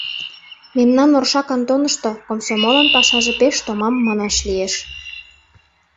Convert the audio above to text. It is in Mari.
Мемнан Орша кантонышто комсомолын пашаже пеш томам, манаш лиеш.